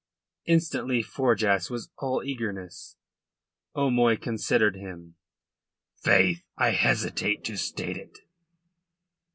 Instantly Forjas was all eagerness. O'Moy considered him. "Faith, I hesitate to state it."